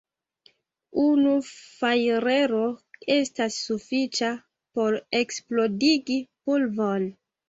Unu fajrero estas sufiĉa, por eksplodigi pulvon.